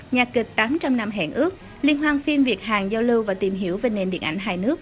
nhạc kịch tám trăm linh năm hẹn ước liên hoan phim việt hàn giao lưu và tìm hiểu về nền điện ảnh hai nước